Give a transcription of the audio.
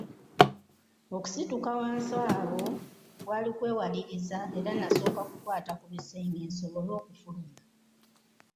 Okusituka wansi awo kwali kwewaliriza era nasooka kukwata ku bisenge nsobole okufuluma.